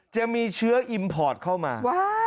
จะมีเชื้ออิมพอร์ตเข้ามา